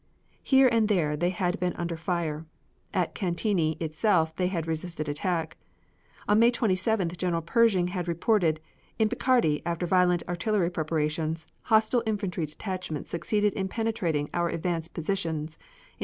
Here and there they had been under fire. At Cantigny itself they had resisted attack. On May 27th General Pershing had reported "In Picardy, after violent artillery preparations, hostile infantry detachments succeeded in penetrating our advance positions in two points.